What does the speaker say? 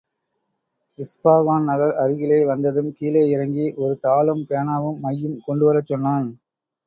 இஸ்பாகான் நகர் அருகிலே வந்ததும் கீழே இறங்கி, ஒருதாளும் பேனாவும் மையும் கொண்டுவரச் சொன்னான்.